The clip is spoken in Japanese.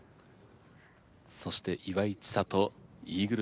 そして岩井千怜イーグル